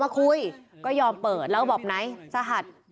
คุยก็ยอมเปิดแล้วบอกไหนสหัส